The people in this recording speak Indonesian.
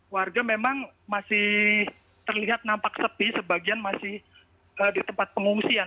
warga memang masih terlihat nampak sepi sebagian masih di tempat pengungsian